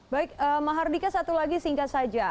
baik mahardika satu lagi singkat saja